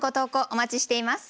お待ちしています。